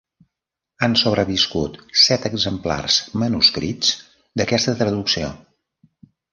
Han sobreviscut set exemplars manuscrits d'aquesta traducció.